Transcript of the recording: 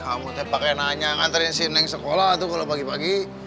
eh kamu tepak yang nanya nganterin si neng sekolah tuh kalau pagi pagi